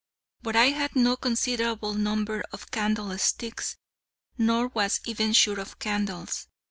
But I had no considerable number of candle sticks, nor was even sure of candles.